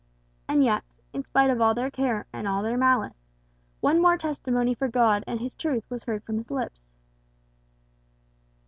And yet, in spite of all their care and all their malice, one more testimony for God and his truth was heard from his lips."